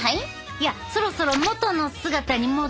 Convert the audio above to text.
いやそろそろもとの姿に戻してえな。